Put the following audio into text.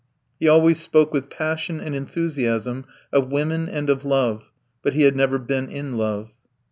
He always spoke with passion and enthusiasm of women and of love, but he had never been in love.